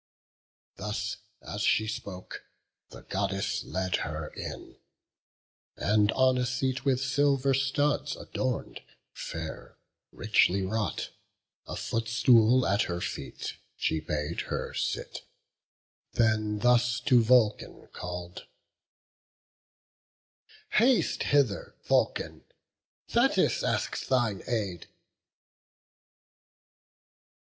Thus, as she spoke, the Goddess led her in, And on a seat with silver studs adorn'd, Fair, richly wrought, a footstool at her feet, She bade her sit; then thus to Vulcan call'd: "Haste hither, Vulcan; Thetis asks thine aid."